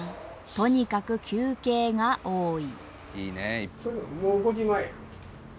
とにかく休憩が多い。